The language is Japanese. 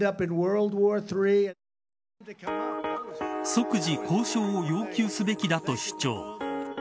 即時交渉を要求すべきだと主張。